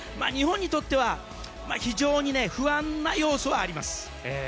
日本にとっては非常に不安な要素はあります。